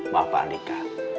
maaf pak andika